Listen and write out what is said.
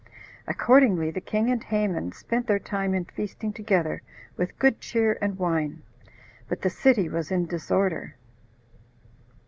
Accordingly, the king and Haman spent their time in feasting together with good cheer and wine, but the city was in disorder.